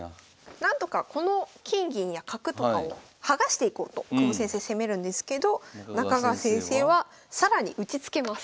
なんとかこの金銀や角とかを剥がしていこうと久保先生攻めるんですけど中川先生は更に打ちつけます。